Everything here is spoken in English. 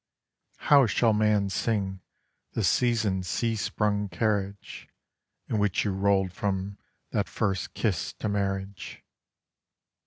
How shall man sing the seasoned cee sprung carriage In which you rolled from that first kiss to marriage?